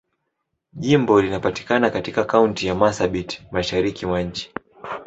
Jimbo linapatikana katika Kaunti ya Marsabit, Mashariki mwa nchi.